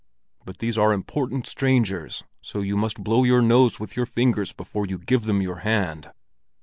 But these are important strangers, so you must blow your nose with your fingers before you give them your hand!"